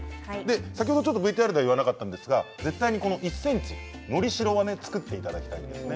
先ほどＶＴＲでは言わなかったんですが絶対に１ｃｍのりしろを作っていただきたいんですね。